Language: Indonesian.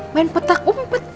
main petak umpet